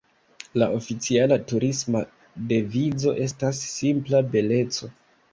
La oficiala turisma devizo estas "Simpla Beleco".